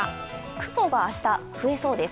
雲が明日、増えそうです。